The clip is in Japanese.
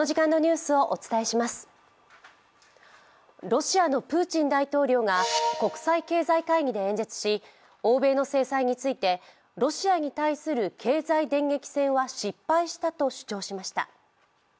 ロシアのプーチン大統領が国際経済会議で演説し欧米の制裁についてロシアに対する経済電撃戦は失敗したと主張しました。